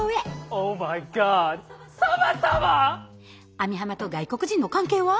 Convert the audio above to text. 網浜と外国人の関係は？